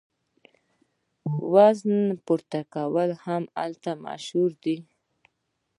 وزنه پورته کول هم هلته مشهور دي.